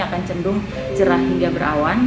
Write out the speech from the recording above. akan cenderung cerah hingga berawan